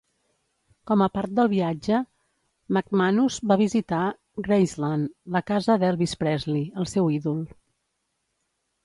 Com a part del viatge, McManus va visitar Graceland, la casa d'Elvis Presley, el seu ídol.